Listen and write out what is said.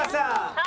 はい！